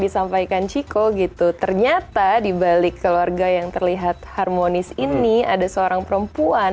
disampaikan chiko gitu ternyata dibalik keluarga yang terlihat harmonis ini ada seorang perempuan